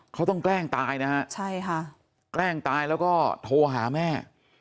เขาต้องแกล้งตายนะฮะใช่ค่ะแกล้งตายแล้วก็โทรหาแม่